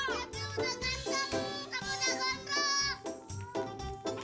aku enggak mau explain